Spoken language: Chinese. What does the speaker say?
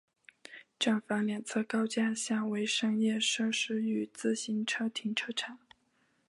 站房两侧高架下为商业设施与自行车停车场。